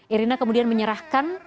erina kemudian menyerahkan